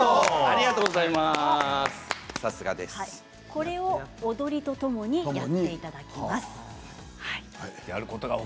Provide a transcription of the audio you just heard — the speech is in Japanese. これを踊りとともにやっていただきます。